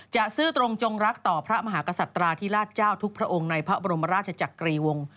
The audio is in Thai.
ซื่อตรงจงรักต่อพระมหากษัตราที่ราชเจ้าทุกพระองค์ในพระบรมราชจักรีวงศ์